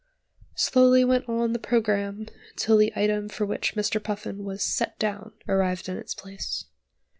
Slowly went on the programme, till the item for which Mr. Puffin was "set down" arrived in its place.